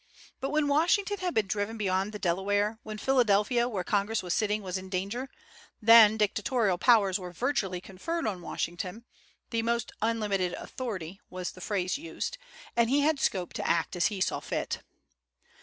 But when Washington had been driven beyond the Delaware, when Philadelphia, where Congress was sitting, was in danger, then dictatorial powers were virtually conferred on Washington, "the most unlimited authority" was the phrase used, and he had scope to act as he saw fit.